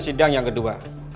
sidang yang kedua